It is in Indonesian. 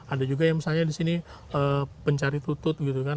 ada juga yang misalnya di sini pencari tutut gitu kan